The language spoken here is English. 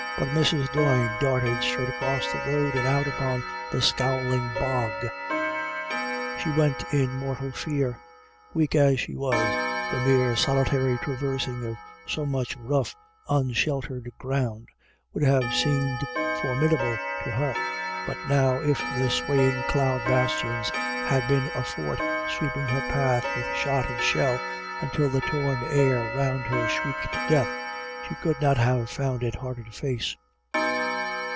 But Mrs. Doyne darted straight across the road, and out upon the scowling bog. She went in mortal fear. Weak as she was, the mere solitary traversing of so much rough un sheltered ground would have seemed formidable to her ; but now if the swaying cloud bastions had been a fort sweeping her path with shot and shell until the torn air round her shrieked death, she could not have found it harder to face.